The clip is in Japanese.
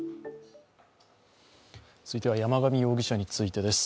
続いては山上容疑者についてです。